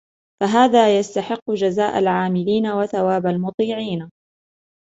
فَهَذَا يَسْتَحِقُّ جَزَاءَ الْعَامِلِينَ ، وَثَوَابَ الْمُطِيعِينَ